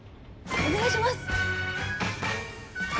お願いします。